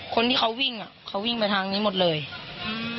คนที่เขาวิ่งอ่ะเขาวิ่งไปทางนี้หมดเลยอืม